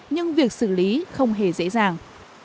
nhưng việc xử lý không hề dễ dàng